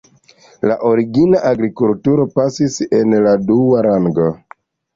La origina agrikulturo pasis en la dua rango.